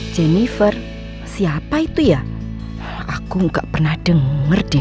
jennifer siapa itu ya aku nggak pernah denger deh